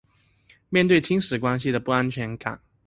面對侵蝕關係的不安全感